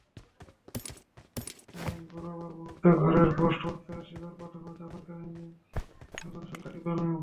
বেরোবার মুহূর্তে ঘরের পোস্টবক্সে আসিরের পাঠানো জাপান কাহিনি সৌজন্য সংখ্যাটি পেলাম।